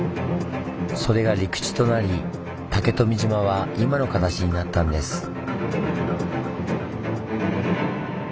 それが陸地となり竹富島は今の形になったんです。